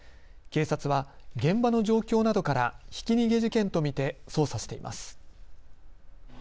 警察は現場の状況などからひき逃げ事件と見て捜査しています。